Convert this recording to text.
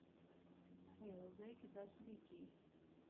په یوه ځای کې داسې لیکي.